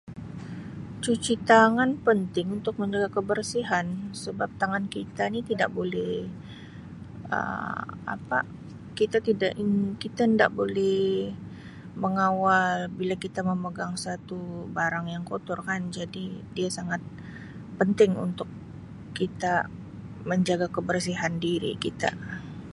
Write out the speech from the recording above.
Cuci tangan penting untuk menjaga kebersihan sebab tangan kita ni tidak boleh Um apa kita tidak Um kita nda boleh mengawal bila kita memegang sesuatu barang yang kotor kan jadi dia sangat penting untuk kita menjaga kebersihan diri kita.